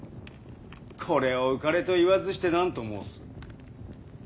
これを浮かれと言わずして何と申す。